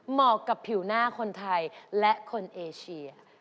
เหมาะกับผิวหน้าคนไทยและคนเอเชีย